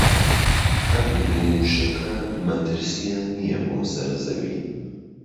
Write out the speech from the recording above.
ئەم دوو مووشەکە مەترسییان نییە بۆ سەر زەوی